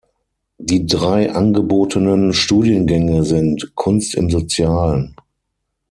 Die drei angebotenen Studiengänge sind: „Kunst im Sozialen.